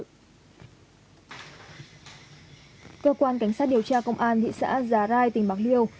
cơ quan cảnh sát điều tra công an thị xã già rai tỉnh bạc liêu